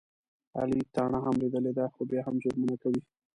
علي تاڼه هم لیدلې ده، خو بیا هم جرمونه کوي.